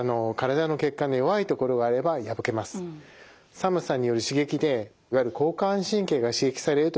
寒さによる刺激でいわゆる交感神経が刺激されるとですね